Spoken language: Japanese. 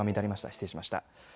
失礼しました。